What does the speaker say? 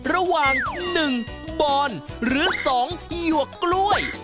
ระหว่าง๑ปอนหรือ๒หยวกกล้วย